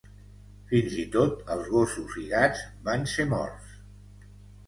Fins i tot els gossos i gats van ser morts.